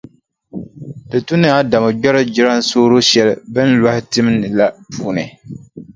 Di tu ni Adamu gbɛri jilansooro shɛli bɛ ni lɔhi tim ni la puuni.